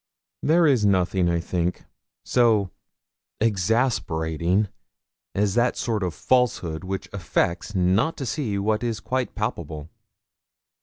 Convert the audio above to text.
There is nothing, I think, so exasperating as that sort of falsehood which affects not to see what is quite palpable.